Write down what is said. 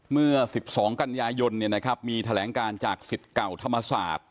เมื่อ๑๒กันยายนมีแถลงการจากสิทธิ์เก่าธรรมศาสตร์